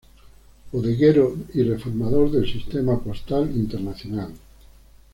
Bodeguero y reformador del sistema postal internacional.